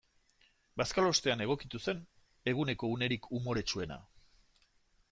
Bazkalostean egokitu zen eguneko unerik umoretsuena.